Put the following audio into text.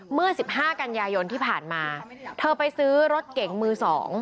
เมื่อ๑๕กันยายนที่ผ่านมาเธอไปซื้อรถเก่งมือ๒